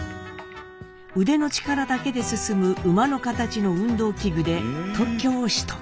腕の力だけで進む馬の形の運動器具で特許を取得。